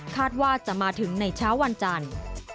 คาดว่าจะมาถึงในเช้าวันจันทร์